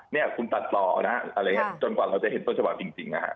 เนี่ยคุณตัดต่อนะอะไรอย่างนี้จนกว่าเราจะเห็นต้นฉบับจริงนะฮะ